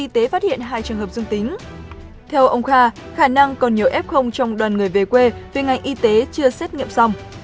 theo ông kha khả năng còn nhiều f trong đoàn người về quê vì ngành y tế chưa xét nghiệm xong